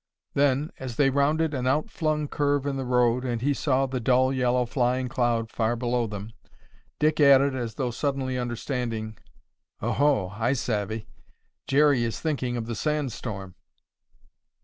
Then, as they rounded an outflung curve in the road and he saw the dull yellow flying cloud far below them, Dick added, as though suddenly understanding, "Oho, I savvy. Jerry is thinking of the sand storm."